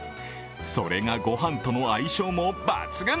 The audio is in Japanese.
それが御飯との相性が抜群。